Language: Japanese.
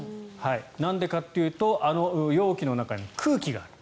なんでかというとあの容器の中に空気がある。